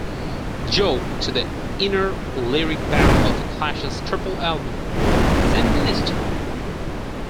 Joe" to the inner lyric bag of the Clash's triple album "Sandinista!